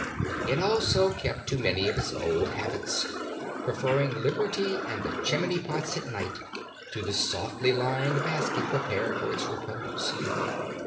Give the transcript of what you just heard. It also kept to many of its old habits, preferring liberty and the chimney pots at night to the softly lined basket prepared for its repose.